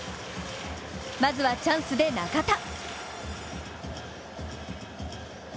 まずはチャンスで中田！